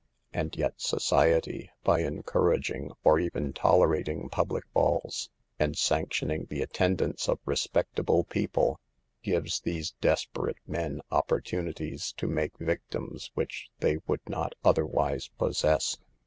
And yet society, by encouraging, or even tolerating public balls, and sanctioning the attendance of respectable people, gives these desperate men opportunities to make victims which they would not otherwise pos THE EVILS OF DANCING. 101 sess.